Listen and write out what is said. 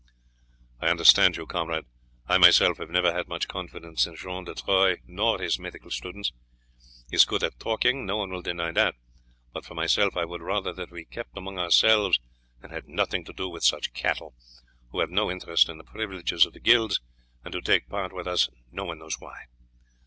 "I understand you, comrade. I myself have never had much confidence in John de Troyes nor his medical students. He is good at talking, no one will deny that; but for myself I would rather that we kept among ourselves and had nothing to do with such cattle, who have no interest in the privileges of the guilds, and who take part with us no one knows why.